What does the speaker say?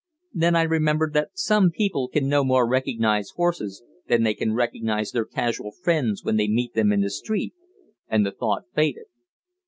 Then I remembered that some people can no more recognize horses than they can recognize their casual friends when they meet them in the street, and the thought faded.